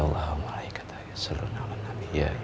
allahu akbar allahu akbar